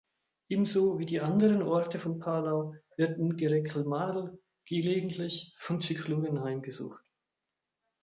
Ebenso wie die anderen Orte von Palau wird Ngereklmadel gelegentlich von Zyklonen heimgesucht.